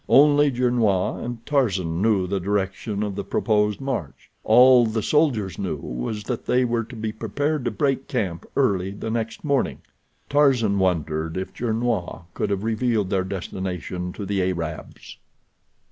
Only Gernois and Tarzan knew the direction of the proposed march. All the soldiers knew was that they were to be prepared to break camp early the next morning. Tarzan wondered if Gernois could have revealed their destination to the Arabs.